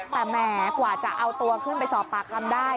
แต่แหมกว่าจะเอาตัวขึ้นไปสอบปากคำได้